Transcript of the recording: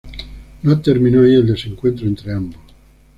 No terminó ahí el desencuentro entre ambos.